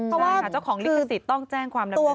เพราะว่าเจ้าของลิขสิทธิ์ต้องแจ้งความดำเนินคดี